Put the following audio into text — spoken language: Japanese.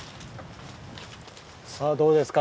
さあどうですか？